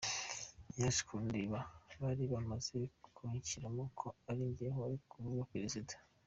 Yaje kundeba, bari baramaze kwishyiramo ko ari njye wari ugiye kuba Perezida.